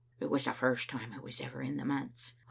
It was the first time I was ever in the manse.